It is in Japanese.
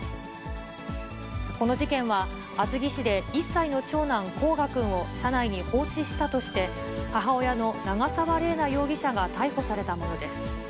この事件は、厚木市で１歳の長男、煌翔くんを車内に放置したとして、母親の長沢麗奈容疑者が逮捕されたものです。